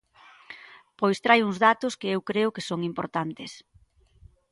Pois traio uns datos que eu creo que son importantes.